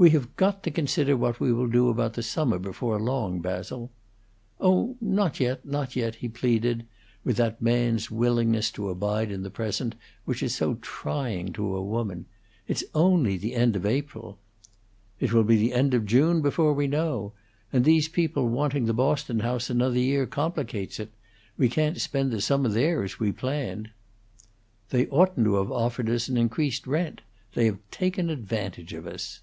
"We have got to consider what we will do about the summer, before long, Basil." "Oh, not yet, not yet," he pleaded; with that man's willingness to abide in the present, which is so trying to a woman. "It's only the end of April." "It will be the end of June before we know. And these people wanting the Boston house another year complicates it. We can't spend the summer there, as we planned." "They oughtn't to have offered us an increased rent; they have taken an advantage of us."